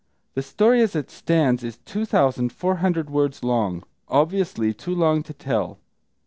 The story as it stands is two thousand four hundred words long, obviously too long to tell.